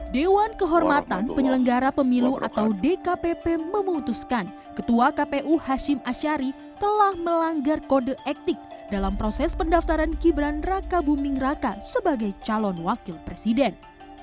dewan kehormatan penyelenggara pemilu atau dkpp memutuskan ketua kpu hashim ashari telah melanggar kode etik dalam proses pendaftaran gibran raka buming raka sebagai calon wakil presiden